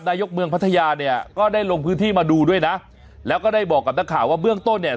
นายกเมืองพัทยาเนี่ยก็ได้ลงพื้นที่มาดูด้วยนะแล้วก็ได้บอกกับนักข่าวว่าเบื้องต้นเนี่ย